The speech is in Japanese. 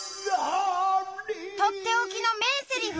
とっておきの名セリフ。